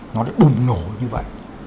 nó đã bùng nổ như vậy